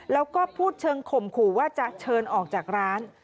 แล้วก็พูดเชิงข่มขู่ว่าจะเชิญออกจากร้าน